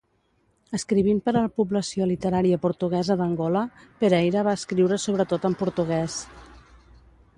Escrivint per a la població literària portuguesa d'Angola, Pereira va escriure sobretot en portuguès.